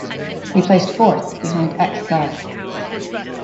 He placed fourth behind ex-Gov.